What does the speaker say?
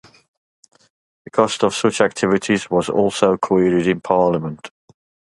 The cost of such activities was also queried in Parliament.